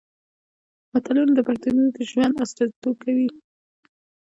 متلونه د پښتنو د ژوند استازیتوب کوي